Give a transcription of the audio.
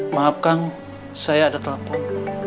maaf kang saya ada telepon